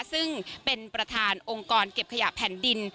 ซึ่งเป็นประธานองค์กรเก็บขยะแผ่นดิน